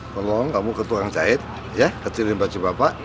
tolong kamu ke tukang jahit ya kecilin baju bapak